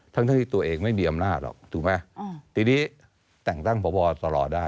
ทั้งที่ตัวเองไม่มีอำนาจหรอกถูกไหมทีนี้แต่งตั้งพบสลได้